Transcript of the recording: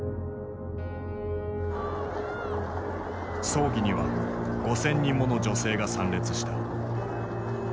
葬儀には５，０００人もの女性が参列した。